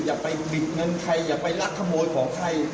อย่าไปบิดเงินใครอย่าไปรักขโมยของใคร